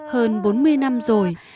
hơn bốn mươi năm rồi